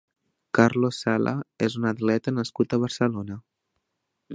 Carlos Sala és un atleta nascut a Barcelona.